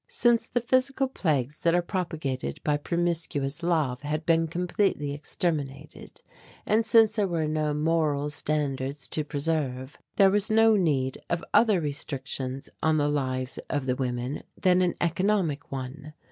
Since the physical plagues that are propagated by promiscuous love had been completely exterminated, and since there were no moral standards to preserve, there was no need of other restrictions on the lives of the women than an economic one.